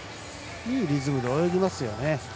いいリズムで泳ぎますよね。